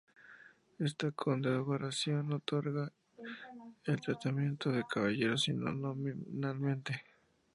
Esta condecoración no otorga el tratamiento de caballero sino nominalmente.